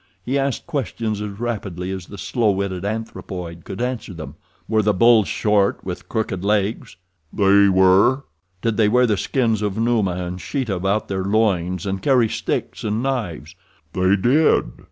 He asked questions as rapidly as the slow witted anthropoid could answer them. "Were the bulls short, with crooked legs?" "They were." "Did they wear the skins of Numa and Sheeta about their loins, and carry sticks and knives?" "They did."